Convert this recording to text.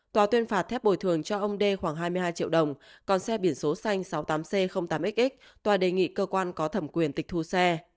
tòa tuyên phạt thép bồi thường cho ông đê khoảng hai mươi hai triệu đồng còn xe biển số xanh sáu mươi tám c tám xx tòa đề nghị cơ quan có thẩm quyền tịch thu xe